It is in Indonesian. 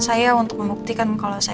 saya untuk membuktikan kalau saya